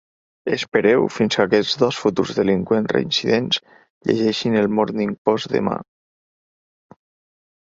Espereu fins que aquests dos futurs delinqüents reincidents llegeixin el Morning Post demà.